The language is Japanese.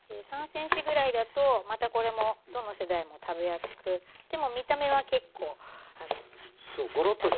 ３ｃｍぐらいだとまたこれもどの世代も食べやすくでも見た目は結構あの。